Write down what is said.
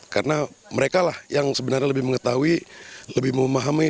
karena mereka lah yang sebenarnya lebih mengetahui lebih memahami